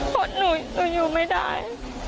ขอโทษหนูอยู่ไม่ได้